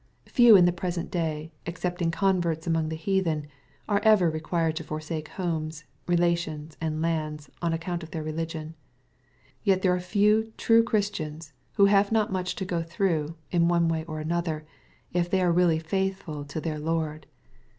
Few in the present day, excepting converts among the heathen, are ever required to forsake homes, relations, and lands, on account of their religion. Yet there are few true Christians, who have not much to go through, in one way or another, if they are really faithful to their Lord.